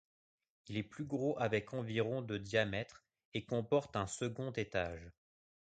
Il est plus gros avec environ de diamètre et comporte un second étage.